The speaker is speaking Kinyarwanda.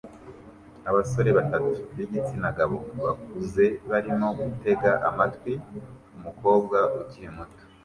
Abasore batatu b'igitsina gabo bakuze barimo gutega amatwi umukobwa ukiri muto